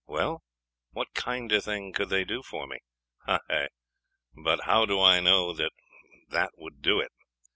Well? What kinder thing could they do for me?.... Ay but how do I know that they would do it?